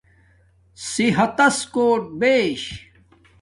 صحت تس کوٹ بیش